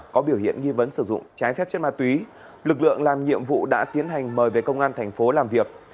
có biểu hiện nghi vấn sử dụng trái phép chất ma túy lực lượng làm nhiệm vụ đã tiến hành mời về công an thành phố làm việc